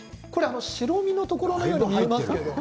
白身のところのように見えますけど。